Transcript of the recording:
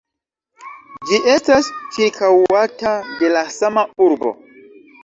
Ĝi estas ĉirkaŭata de la sama urbo.